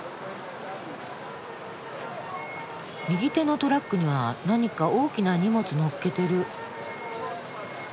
右手のトラックには何か大きな荷物載っけてる。